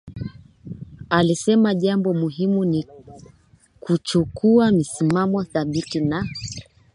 Alisema jambo muhimu ni kuchukua msimamo thabiti na